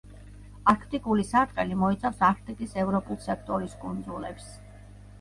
არქტიკული სარტყელი მოიცავს არქტიკის ევროპულ სექტორის კუნძულებს.